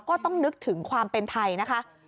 ก็ต้องนึกถึงความเป็นไทยนะคะ